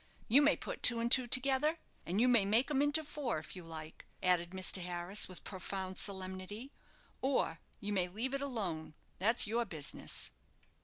You may put two and two together, and you may make 'em into four, if you like," added Mr. Harris, with profound solemnity; "or you may leave it alone. That's your business."